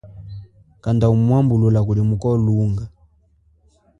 Kanda umwambulula kuli muko lunga.